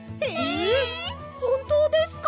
ほんとうですか？